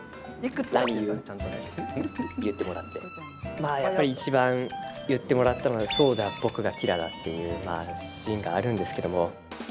まあ、やっぱりいちばん言ってもらったのは「そうだ、僕がキラだ」っていうシーンがあるんですけども。